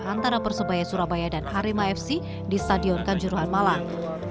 antara persebaya surabaya dan arema fc di stadion kanjuruhan malang